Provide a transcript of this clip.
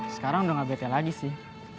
sekarang udah gak bete lagi sih